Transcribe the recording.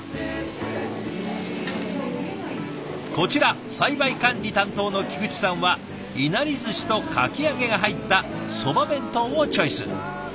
こちら栽培管理担当の菊池さんはいなりずしとかき揚げが入ったそば弁当をチョイス。